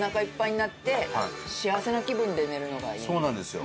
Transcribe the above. そうなんですよ。